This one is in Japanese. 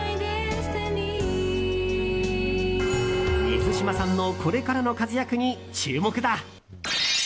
水嶋さんのこれからの活躍に注目だ。